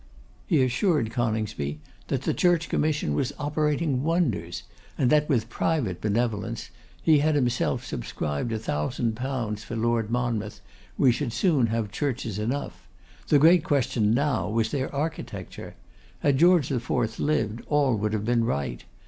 He assured Coningsby that the Church Commission was operating wonders, and that with private benevolence, he had himself subscribed 1,000_l._, for Lord Monmouth, we should soon have churches enough. The great question now was their architecture. Had George IV. lived all would have been right.